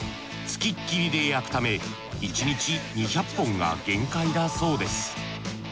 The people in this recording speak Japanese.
つきっきりで焼くため１日２００本が限界だそうです。